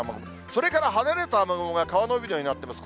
それから晴れると雨雲が川の帯のようになってます。